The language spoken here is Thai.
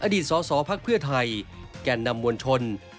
อดีตสสพักเพื่อไทยแก่นำมวลชน